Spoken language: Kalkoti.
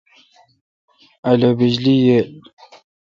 الو بجلی ییل۔؟